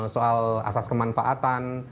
soal asas kemanfaatan